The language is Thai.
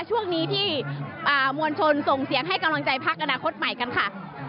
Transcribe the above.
ช่วงนี้ที่มวลชนส่งเสียงให้กำลังใจพักอนาคตใหม่กันค่ะ